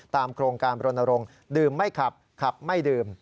โครงการบรณรงค์ดื่มไม่ขับขับไม่ดื่ม